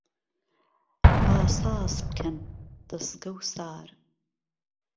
با ساز پکەن دهسکه و سار